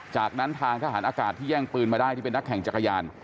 จากนั้นทางทหารอากาศที่แย่งปืนมาได้ที่เป็นนักแข่งจักรยาน